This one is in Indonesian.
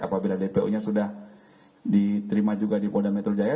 apabila dpo nya sudah diterima juga di polda metro jaya